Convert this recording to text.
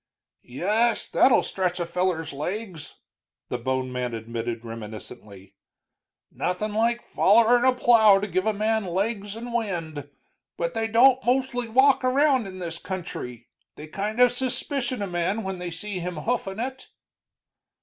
"Yes, that'll stretch a feller's legs," the bone man admitted, reminiscently. "Nothing like follerin' a plow to give a man legs and wind. But they don't mostly walk around in this country; they kind of suspicion a man when they see him hoofin' it."